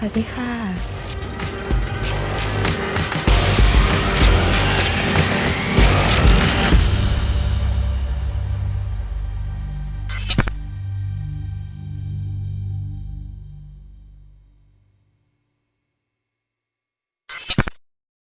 สวัสดีค่ะ